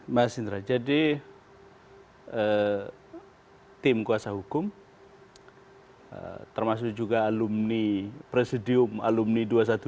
mas indra jadi tim kuasa hukum termasuk juga alumni presidium alumni dua ratus dua belas